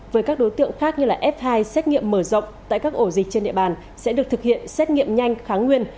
với các đối tượng khác như f hai xét nghiệm mở rộng tại các ổ dịch trên địa bàn sẽ được thực hiện xét nghiệm nhanh kháng nguyên